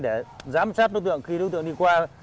để giám sát đối tượng khi đối tượng đi qua